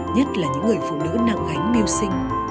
nhất là những người phụ nữ nặng gánh mưu sinh